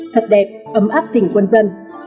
thật đẹp ấm áp tỉnh quân dân